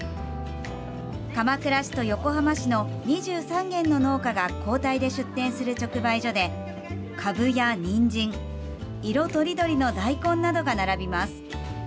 鎌倉市と横浜市の２３軒の農家が交代で出店する直売所でカブやにんじん色とりどりの大根などが並びます。